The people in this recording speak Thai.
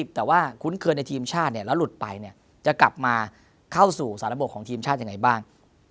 แต่ว่าคุ้นเคยในทีมชาติแล้วหลุดไปจะกลับมาเข้าสู่สารบกของทีมชาติยังไงบ้าง